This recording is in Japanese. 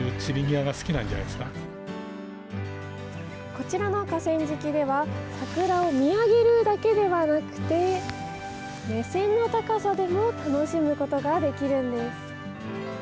こちらの河川敷では桜を見上げるだけではなくて目線の高さでも楽しむことができるんです。